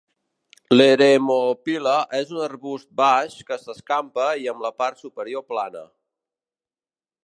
L'eremophila és un arbust baix que s'escampa i amb la part superior plana.